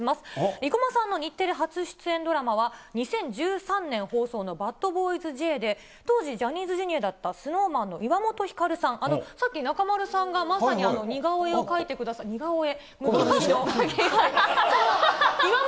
生駒さんの日テレ初出演ドラマは、２０１３年放送の、バッドボーイズＪで、当時、ジャニーズＪｒ．だったＳｎｏｗＭａｎの岩本照さん、あのさっき中丸さんがまさに似顔絵を描いてくださった、似顔絵？